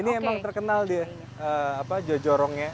ini emang terkenal dia jojorongnya